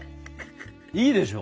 いいでしょ？